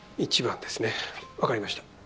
１番ですね分かりました。